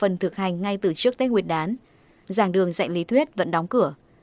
học phần thực hai trở lại trường ngay từ trước tết nguyệt đán giảng đường dạy lý thuyết vẫn đóng cửa